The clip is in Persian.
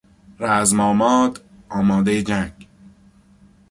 رزم آماد، آمادهی جنگ